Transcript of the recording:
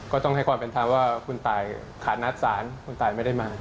ก็ต้องให้ความเป็นธรรมว่าคุณตายขาดนัดศาลคุณตายไม่ได้มา